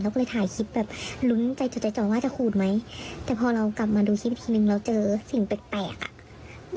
เราก็เลยถ่ายคลิปแบบลุ้นใจจ๋อจ๋อว่าจะขูดไหมแต่พอเรากลับมาดูคลิปนึงเราเจอสิ่งแปลกอ่ะ